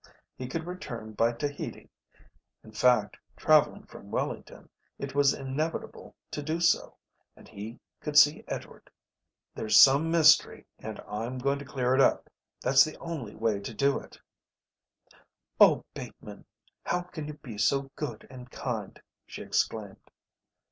He could return by Tahiti; in fact, travelling from Wellington, it was inevitable to do so; and he could see Edward. "There's some mystery and I'm going to clear it up. That's the only way to do it." "Oh, Bateman, how can you be so good and kind?" she exclaimed.